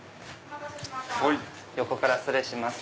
横から失礼します。